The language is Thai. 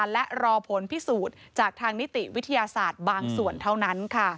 และรอผลพิสูจน์จากทางนิติวิทยาศาสตร์บางส่วนเท่านั้น